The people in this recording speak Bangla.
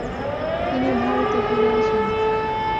তিনি ভারতে ফিরে আসেন।